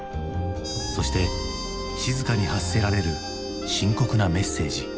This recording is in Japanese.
そして静かに発せられる深刻なメッセージ。